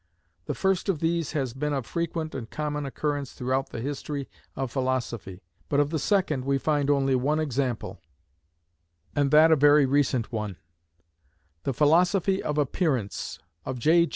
The first of these has been of frequent and common occurrence throughout the history of philosophy, but of the second we find only one example, and that a very recent one; the "philosophy of appearance" of J.